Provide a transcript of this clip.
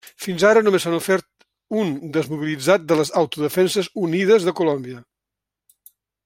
Fins ara només s'ha ofert un desmobilitzat de les Autodefenses Unides de Colòmbia.